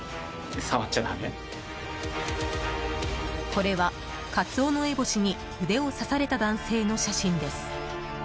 これは、カツオノエボシに腕を刺された男性の写真です。